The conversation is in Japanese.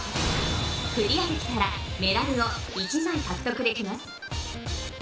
クリアできたらメダルを１枚獲得できます